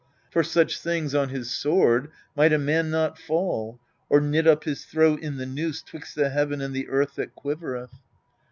For such things on his sword might a man not fall, Or knit up his throat in the noose 'twixt the heaven and the earth that quivereth